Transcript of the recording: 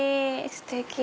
ステキ！